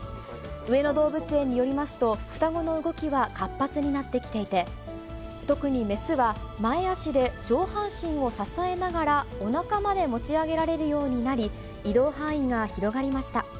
上野動物園によりますと、双子の動きは活発になってきていて、特に雌は前足で上半身を支えながらおなかまで持ち上げられるようになり、移動範囲が広がりました。